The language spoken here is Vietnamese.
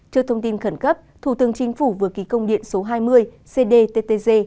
trước thông tin khẩn cấp thủ tướng chính phủ vừa ký công điện số hai mươi cdttg